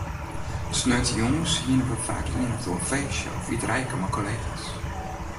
Sneontejûns hiene we faak ien of oar feestje of iterijke mei kollega's.